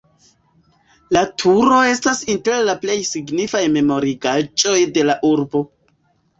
La turo estas inter la plej signifaj memorigaĵoj de la urbo.